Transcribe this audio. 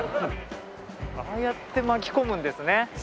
ああやって巻き込むんですね。